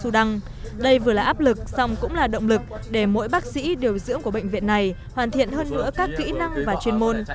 đây vừa là áp lực xong cũng là động lực để mỗi bác sĩ điều dưỡng của bệnh viện này hoàn thiện hơn nữa các kỹ năng và chuyên môn